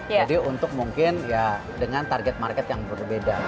jadi untuk mungkin ya dengan target market yang berbeda